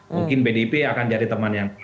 mungkin pdip akan jadi teman yang